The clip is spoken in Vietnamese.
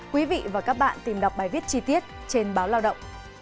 quý vị và các bạn tìm đọc bài viết chi tiết trên báo lao động